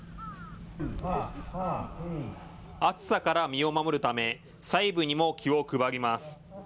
熱さから身を守るため細部にも気を配ります。